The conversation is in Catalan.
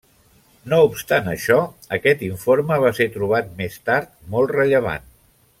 No obstant això, aquest informe va ser trobat més tard molt rellevant.